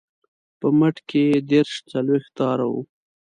په مټ کې یې دېرش څلویښت تاره وه.